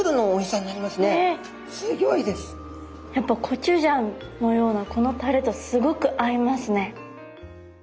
コチュジャンのようなこのタレとすごく合いますね。